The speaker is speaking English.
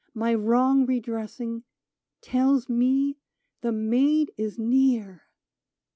My wrong redressing, Tells me the Maid is near